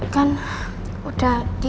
kan udah gigi